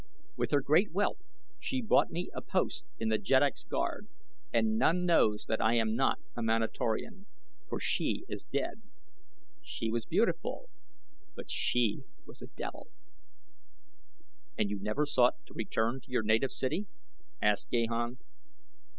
With her great wealth she bought me a post in The Jeddak's Guard and none knows that I am not a Manatorian, for she is dead. She was beautiful, but she was a devil." "And you never sought to return to your native city?" asked Gahan.